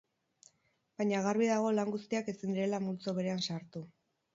Baina garbi dago lan guztiak ezin direla multzo berean sartu.